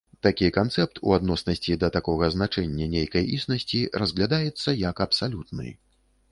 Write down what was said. Такі канцэпт, у адноснасці да такога значэння, нейкай існасці, разглядаецца як абсалютны.